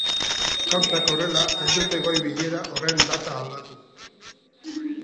Gauzak horrela, ez dute goi-bilera horren data aldatu.